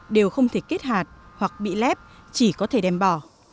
đều không thể kết hạt hoặc bị lép chỉ có thể đem bỏ